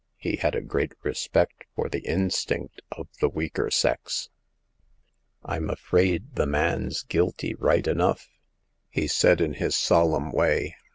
He had a great respect for the instinct of the weaker sex. " Fm afraid the man's guilty, right enough," he said, in his solemn way.